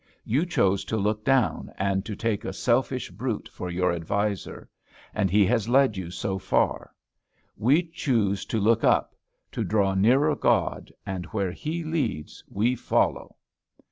You chose to look down, and to take a selfish brute for your adviser. And he has led you so far. We choose to look up; to draw nearer God; and where He leads we follow."